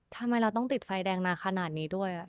ทำไมเราต้องติดไฟแดงมาขนาดนี้ด้วย